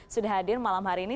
sudah hadir malam hari ini